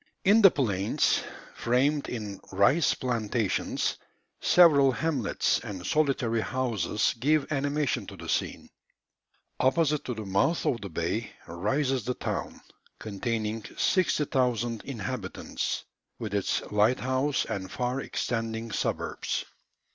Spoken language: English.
In the plains, framed in rice plantations, several hamlets and solitary houses give animation to the scene. Opposite to the mouth of the bay rises the town, containing 60,000 inhabitants, with its lighthouse and far extending suburbs.